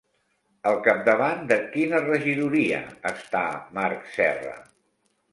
Al capdavant de quina regidoria està Marc Serra?